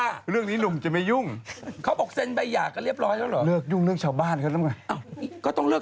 อักษรจะสาวควิสผุดเก่งข้ำเอง